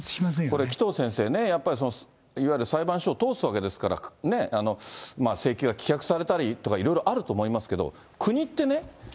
これ紀藤先生ね、やっぱり、いわゆる裁判所を通すわけですからね、請求が棄却されたりとかいろいろあると思いますけれども、国ってね、